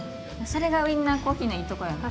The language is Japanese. それがウィンナーコーヒーのいいとこやん。